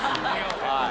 はい。